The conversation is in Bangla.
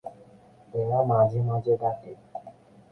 এরা মাঝে মাঝে ডাকে।